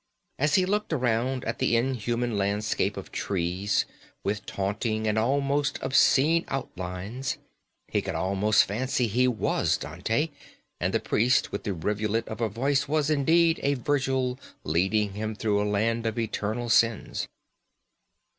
As he looked around at the inhuman landscape of trees, with taunting and almost obscene outlines, he could almost fancy he was Dante, and the priest with the rivulet of a voice was, indeed, a Virgil leading him through a land of eternal sins.